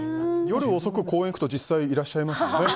夜遅く公園行くと実際、いらっしゃいますよね。